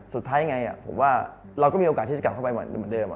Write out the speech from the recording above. สุดท้ายยังไงผมว่าเราก็มีโอกาสที่จะกลับเข้าไปเหมือนเดิม